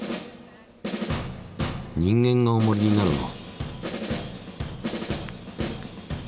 人間がおもりになるの？